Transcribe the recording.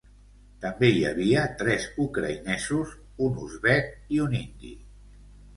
També hi havia tres ucraïnesos, un uzbek i un indi.